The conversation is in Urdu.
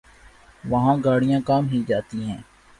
وہاں گاڑیاں کم ہی جاتی ہیں ۔